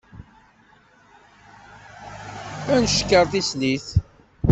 Ad ncekker tislit.